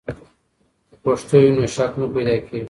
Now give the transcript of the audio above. که پښتو وي، نو شک نه پیدا کیږي.